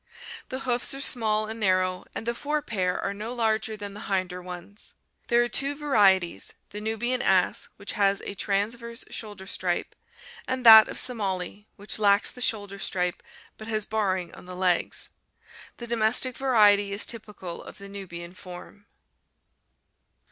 The hoofs are small and narrow and the fore pair are no larger than the hinder ones. There are two varieties, the Nubian ass, which has a trans verse shoulder stripe, and that of Somali, which lacks the shoulder stripe but has barring on the legs. The domestic variety is typical of the Nubian form.